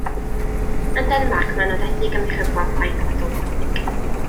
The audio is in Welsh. Yn Denmarc mae'n nodedig am ei chyfrol Saith Chwedl Gothig.